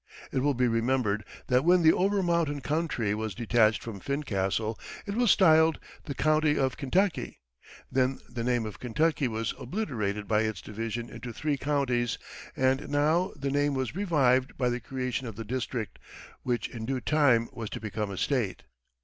It will be remembered that when the over mountain country was detached from Fincastle, it was styled the County of Kentucky; then the name of Kentucky was obliterated by its division into three counties; and now the name was revived by the creation of the district, which in due time was to become a State.